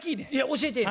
教えてや。